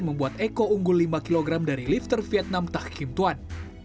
membuat eko unggul lima kg dari lifter vietnam tah kim tuan